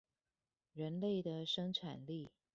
人類的生產力